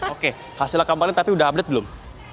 oke hasilnya kemarin tapi udah update belum